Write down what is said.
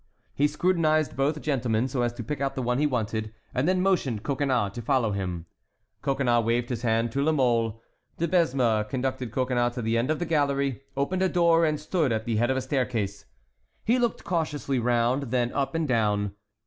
He scrutinized both gentlemen, so as to pick out the one he wanted, and then motioned Coconnas to follow him. Coconnas waved his hand to La Mole. De Besme conducted Coconnas to the end of the gallery, opened a door, and stood at the head of a staircase. He looked cautiously round, then up and down.